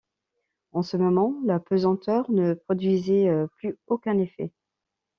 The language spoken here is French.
En ce moment, la pesanteur ne produisait plus aucun effet.